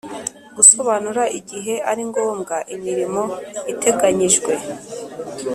Gusobanura igihe ari ngombwa imirimo iteganyijwe